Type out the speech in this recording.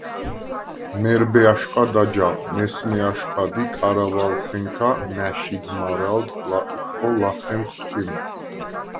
მერბე აშყად აჯაღ, მესმე აშყად ი კარავალხენქა ნა̈შიდ მარალდ ლატვხო ლახემხ თხვიმ.